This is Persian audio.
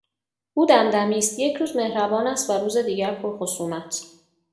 او دمدمی است، یک روز مهربان است و روز دیگر پر خصومت.